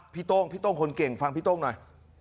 โต้งพี่โต้งคนเก่งฟังพี่โต้งหน่อย